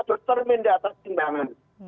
determine di atas pindangan